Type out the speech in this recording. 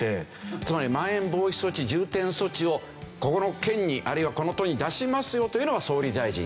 つまりまん延防止等重点措置をここの県にあるいはこの都に出しますよと言うのは総理大臣。